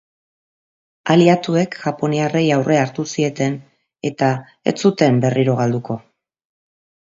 Aliatuek japoniarrei aurrea hartu zieten eta ez zuten berriro galduko.